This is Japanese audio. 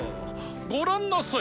ご覧なさい